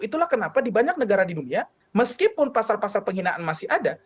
itulah kenapa di banyak negara di dunia meskipun pasal pasal penghinaan masih ada